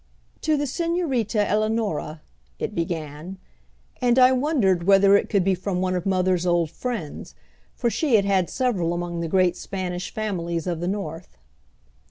"To the Señorita Elenora:" it began, and I wondered whether it could be from one of mother's old friends, for she had had several among the great Spanish families of the north.